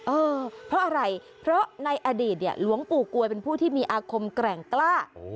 เออเพราะอะไรเพราะในอดีตเนี่ยหลวงปู่กวยเป็นผู้ที่มีอาคมแกร่งกล้า